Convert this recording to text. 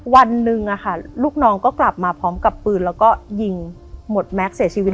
วันหนึ่งลูกน้องก็กลับมาพร้อมกับปืนแล้วก็ยิงหมดแม็กซ์เสียชีวิต